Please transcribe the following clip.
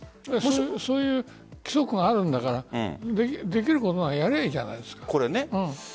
そういう規則があるんだからできることならやればいいんじゃないですか。